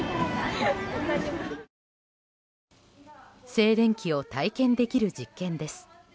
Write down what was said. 静電気を体験できる実験です。